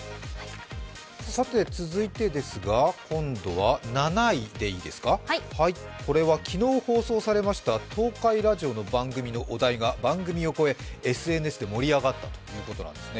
続いてですが、今度は７位これは昨日放送されました東海ラジオの番組のお題が、番組を超えＳＮＳで盛り上がったそうです。